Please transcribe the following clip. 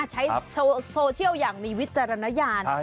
ใช้โซเชียลอย่างมีวิจารณญาณ